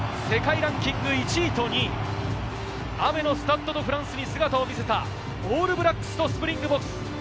世界ランキング１位と２位、雨のスタッド・ド・フランスに姿を見せたオールブラックスとスプリングボクス。